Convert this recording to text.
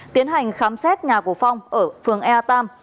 tiến hành khám xét nhà của phong ở phường ea tam